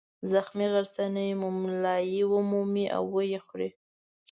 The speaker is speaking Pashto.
زخمي غرڅنۍ مُملایي ومومي او ویې خوري.